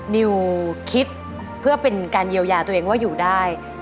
นิวคิดเพื่อเป็นการเยียวยาตัวเองว่าอยู่ได้